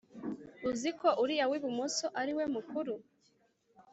uziko uriya wi ibumoso ariwe mukuru